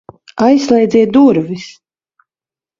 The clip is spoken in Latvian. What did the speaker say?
Aizslēdziet durvis!